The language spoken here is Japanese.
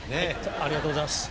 ありがとうございます。